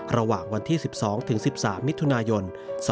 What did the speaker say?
ระหว่างวันที่๑๒๑๓มิถุนายน๒๕๖